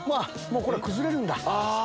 もう崩れるんだ。